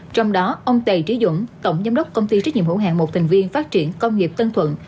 trong đó ông tề trí dũng tổng giám đốc công ty trách nhiệm hữu hạng một thành viên phát triển công nghiệp tân thuận